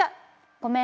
「ごめん。